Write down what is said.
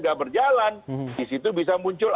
gak berjalan disitu bisa muncul